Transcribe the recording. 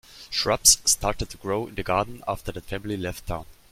Shrubs started to grow in the garden after that family left town.